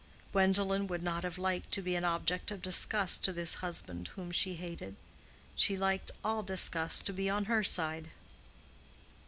Gwendolen would not have liked to be an object of disgust to this husband whom she hated: she liked all disgust to be on her side.